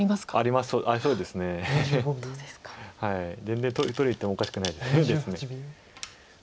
全然取りにいってもおかしくないです。